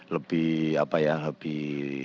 lebih apa ya lebih